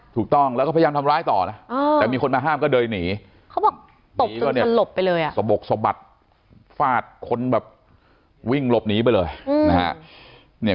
ถูกต้องแล้วก็พยายามทำร้ายต่อแล้วแต่มีคนมาห้ามก็เดยนิ๑๐๑สมบัติฝาดคนแบบวิ่งหลบหนีไปเลยนะฮะ